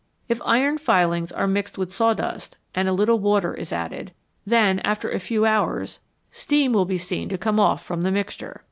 If iron filings are mixed with sawdust and a little water is added, then after a few hours steam will be seen to come off from the mixture.